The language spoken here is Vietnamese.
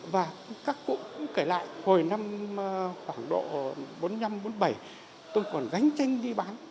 và các cụ cũng kể lại hồi năm khoảng độ bốn mươi năm bốn mươi bảy tôi còn gánh tranh đi bán